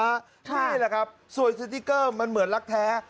นี่แหละครับสวยสติ๊กเกอร์มันเหมือนรักแท้